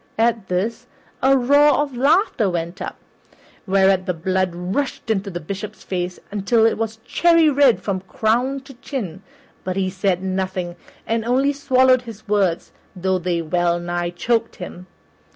At this, a roar of laughter went up, whereat the blood rushed into the Bishop's face till it was cherry red from crown to chin; but he said nothing and only swallowed his words, though they well nigh choked him.